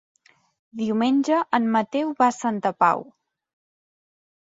Diumenge en Mateu va a Santa Pau.